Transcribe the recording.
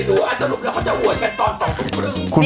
ดูว่าสรุปแล้วเขาจะโหวตกันตอน๒ทุ่มครึ่ง